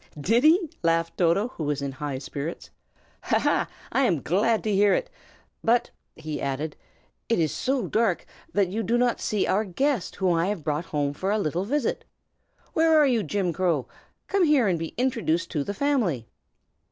"Did he?" laughed Toto, who was in high spirits. "Ha! ha! I am delighted to hear it. But," he added, "it is so dark that you do not see our guest, whom I have brought home for a little visit. Where are you, Jim Crow? Come here and be introduced to the family!"